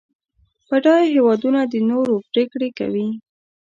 بډایه هېوادونه د نورو پرېکړې کوي.